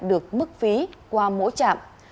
được mức phí qua mỗi trạm